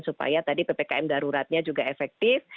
supaya tadi ppkm daruratnya juga efektif